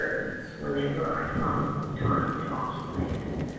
tons whenever I ean find time to oeeupy it.